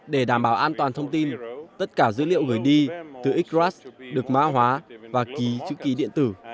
để đảm bảo an toàn thông tin tất cả dữ liệu gửi đi từ xrs được mã hóa và ký chữ ký điện tử